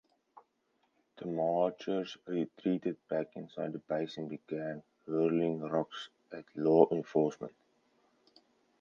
The marchers retreated back inside the base and began hurling rocks at law enforcement.